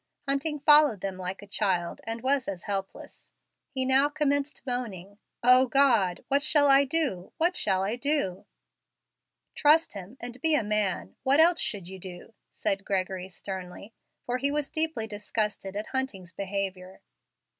Hunting followed them like a child, and was as helpless. He now commenced moaning, "O God! what shall I do? what shall I do?" "Trust Him, and be a man. What else should you do?" said Gregory, sternly, for he was deeply disgusted at Hunting's behavior.